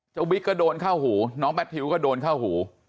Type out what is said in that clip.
บิ๊กก็โดนเข้าหูน้องแมททิวก็โดนเข้าหู